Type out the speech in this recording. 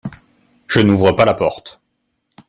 Je n'ouvre pas la porte.